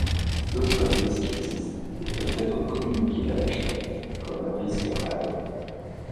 D'autres risques existent et peuvent être communiqués à l'acheteur, comme le risque Radon.